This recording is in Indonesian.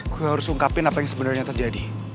gue harus ungkapin apa yang sebenarnya terjadi